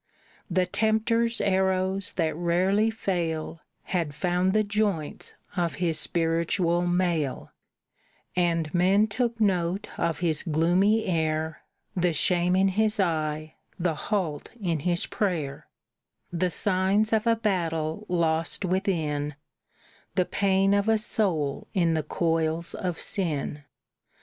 The tempter's arrows that rarely fail Had found the joints of his spiritual mail; And men took note of his gloomy air, The shame in his eye, the halt in his prayer, The signs of a battle lost within, The pain of a soul in the coils of sin.